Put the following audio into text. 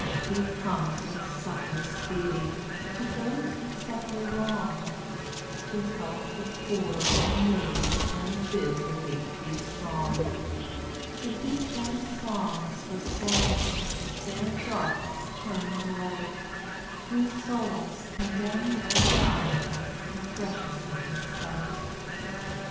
He comes, with succor speedy, To those who suffer wrong; To help the poor and needy, And bid the weak be strong; To give them songs for sighing, Their darkness turned to light, Whose souls, condemned and dying, Were precious in his sight.